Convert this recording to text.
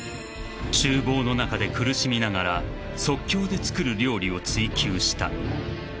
［厨房の中で苦しみながら即興で作る料理を追求した］